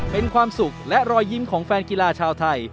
เป็นความสุขและรอยยิ้มของแฟนกีฬาชาวไทย